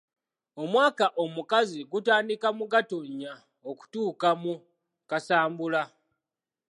Omwaka omukazi gutandika mu Gatonnya okutuuka mu Kasambula.